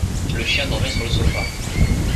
Le chien dormait sur le sofa.